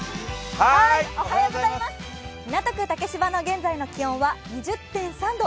港区竹芝の現在の気温は２０．３度。